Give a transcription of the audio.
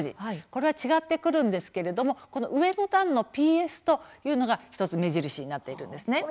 これが違ってくるんですけども上の段のＰＳというのが１つ目印になっているんですね。